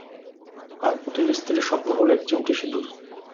আর প্রতিটি স্ত্রীর স্বপ্ন হলো, এক চিমটি সিঁদুর।